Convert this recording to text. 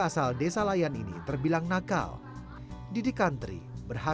selamat pagi atta